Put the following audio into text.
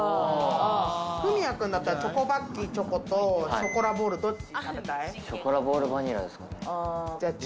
文哉君だったら、チョコバッキーチョコとショコラボールどっち食べたい？